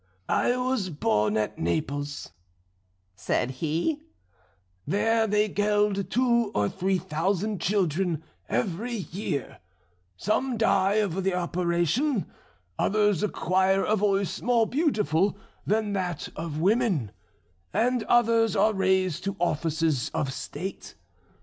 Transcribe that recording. "'I was born at Naples,' said he, 'there they geld two or three thousand children every year; some die of the operation, others acquire a voice more beautiful than that of women, and others are raised to offices of state.